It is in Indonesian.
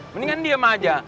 mendingan diem aja